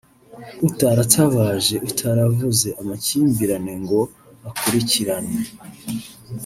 utaratabaje utaravuze amakimbirane ngo akurikiranwe